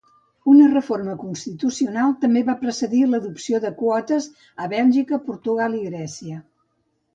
Una reforma constitucional també va precedir l'adopció de quotes a Bèlgica, Portugal i Grècia.